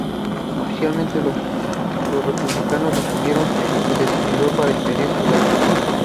Oficialmente, los republicanos asumieron que se suicidó para impedir la captura.